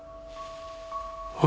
あ！